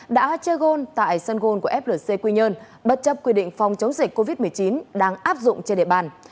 đã chơi gold tại sân gôn của flc quy nhơn bất chấp quy định phòng chống dịch covid một mươi chín đang áp dụng trên địa bàn